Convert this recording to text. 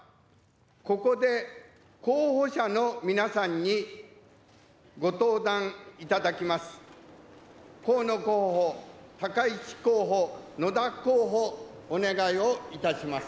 ここで候補者の皆さんに御登壇いただきます。